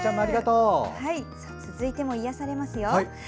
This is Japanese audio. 続いても癒やされます。